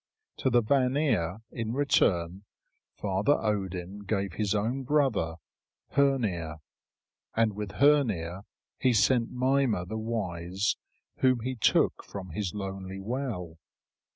To the Vanir in return Father Odin gave his own brother Hœnir. And with Hœnir he sent Mimer the wise, whom he took from his lonely well.